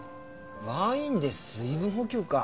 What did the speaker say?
ワインで水分補給か。